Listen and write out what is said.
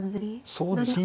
そうですね。